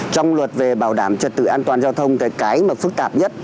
trong luật về bảo đảm trật tự an toàn giao thông cái mà phức tạp nhất